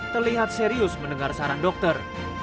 terlihat serius mendengar saran dokter